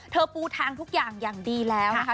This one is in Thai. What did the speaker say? ปูทางทุกอย่างอย่างดีแล้วนะคะ